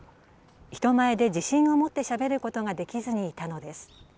人前で自信を持ってしゃべることができずにいたのです。